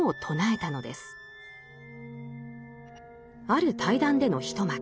ある対談での一幕。